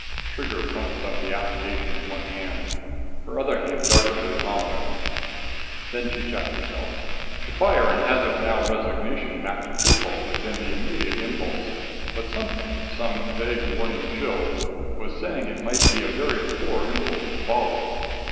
Trigger crumpled up the application in one hand. Her other hand darted to the ComWeb. Then she checked herself. To fire an as of now resignation back at Precol had been the immediate impulse. But something, some vague warning chill, was saying it might be a very poor impulse to follow.